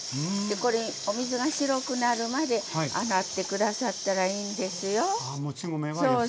これお水が白くなるまで洗って下さったらいいんですよ。